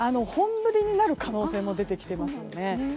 本降りになる可能性も出てきています。